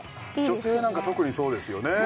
女性なんか特にそうですよね